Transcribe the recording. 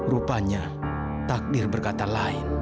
rupanya takdir berkata lain